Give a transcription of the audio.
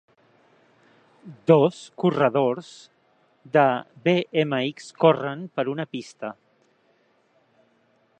Dos corredors de BMX corren per una pista